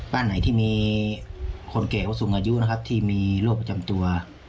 บ้านไหนที่มีคนแก่ผู้สูงอายุนะครับที่มีโรคประจำตัว